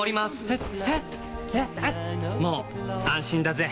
もう安心だぜ！